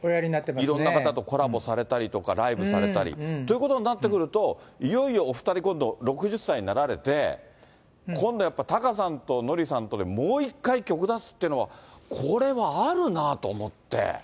いろんな方とコラボされたり、ライブされたり。ということになってくると、いよいよお２人、今度６０歳になられて、今度やっぱ、タカさんとノリさんとでもう一回、曲出すっていうのは、これはあるなと思って。